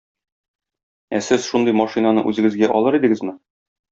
Ә сез шундый машинаны үзегезгә алыр идегезме?